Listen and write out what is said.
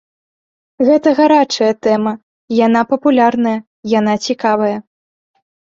Гэта гарачая тэма, яна папулярная, яна цікавая.